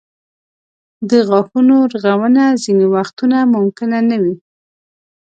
د غاښونو رغونه ځینې وختونه ممکنه نه وي.